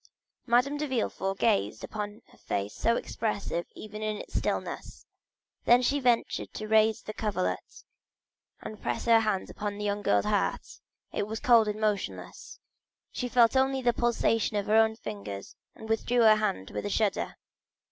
Madame de Villefort gazed upon the face so expressive even in its stillness; then she ventured to raise the coverlet and press her hand upon the young girl's heart. It was cold and motionless. She only felt the pulsation in her own fingers, and withdrew her hand with a shudder.